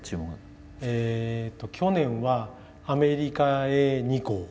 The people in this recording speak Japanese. えっと去年はアメリカへ２個。